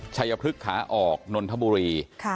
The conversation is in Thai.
ชัยพลึกขะออกนนทบุรี